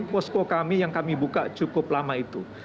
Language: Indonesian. posko kami yang kami buka cukup lama itu